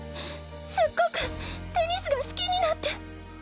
すっごくテニスが好きになって。